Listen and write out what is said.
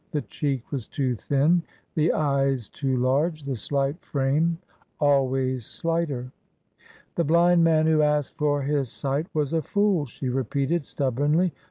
The cheek was too thin, the eyes too large, the slight frame always slighter. " The blind man who asked for his sight was a fool 1" she repeated, stubbornly.